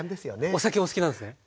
お酒お好きなんですね。